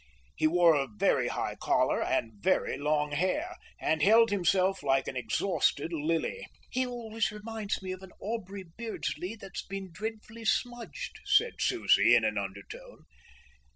He wore a very high collar and very long hair, and held himself like an exhausted lily. "He always reminds me of an Aubrey Beardsley that's been dreadfully smudged," said Susie in an undertone.